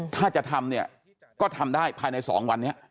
ถ้าจะทำเนี่ยก็ทำได้ภายใน๒วันนี้